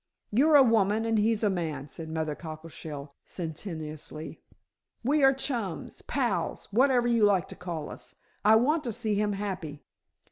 "You're a woman and he's a man," said Mother Cockleshell sententiously. "We are chums, pals, whatever you like to call us. I want to see him happy."